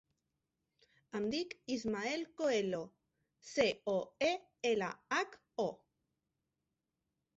Em dic Ismael Coelho: ce, o, e, ela, hac, o.